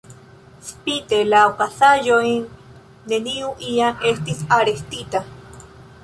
Spite la okazaĵojn, neniu iam estis arestita.